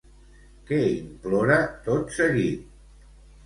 Què implora tot seguit?